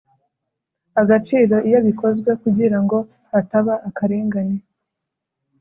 Agaciro iyo bikozwe kugira ngo hataba akarengane